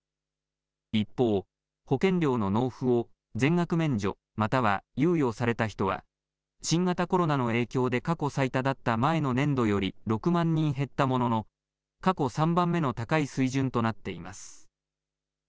一方、保険料の納付を全額免除、または猶予された人は新型コロナの影響で過去最多だった前の年度より６万人減ったものの過去３番目の高い水準となっています。